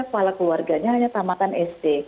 kepala keluarganya hanya tamatan sd